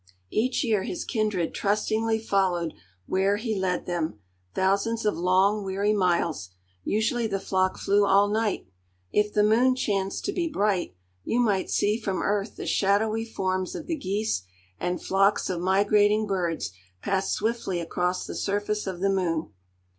Each year his kindred trustingly followed where he led them, thousands of long, weary miles. Usually the flock flew all night. If the moon chanced to be bright, you might see from earth the shadowy forms of the geese and flocks of migrating birds pass swiftly across the surface of the moon.